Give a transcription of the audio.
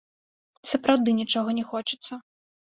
Сапраўды нічога не хочацца.